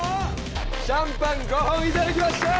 シャンパン５本いただきました！